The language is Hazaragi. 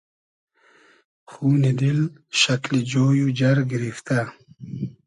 خونی دیل شئکلی جۉی و جئر گیریفتۂ